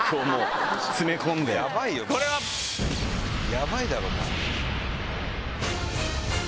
ヤバいだろもう。